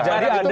jadi ada ini